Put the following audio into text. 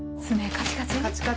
カチカチ。